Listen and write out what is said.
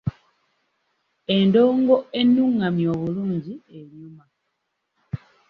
Endongo ennungamye obulungi enyuma.